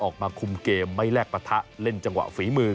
ออกมาคุมเกมไม่แลกปะทะเล่นจังหวะฝีมือ